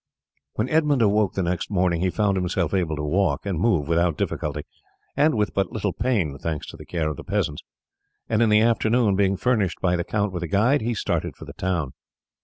When Edmund awoke the next morning he found himself able to walk and move without difficulty and with but little pain, thanks to the care of the peasants, and in the afternoon, being furnished by the count with a guide, he started for the town.